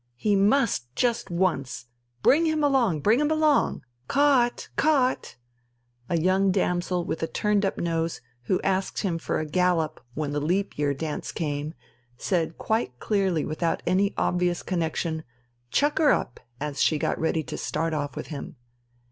"He must just once! Bring him along, bring him along ...! Caught, caught!" A young damsel with a turned up nose, who asked him for a gallop when the "leap year" dance came, said quite clearly without any obvious connexion, "Chucker up!" as she got ready to start off with him.